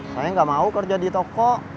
saya nggak mau kerja di toko